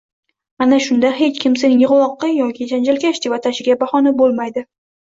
Ana shunda hech kim seni yig‘loqi yoki janjalkash deb atashiga bahona bo‘lmaydi.